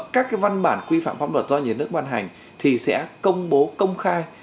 các cái văn bản quy phạm pháp luật do nhiều nước quan hành thì sẽ công bố công khai